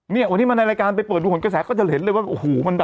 สูทรภัณฑ์บุรีถูกต้องไหมนะ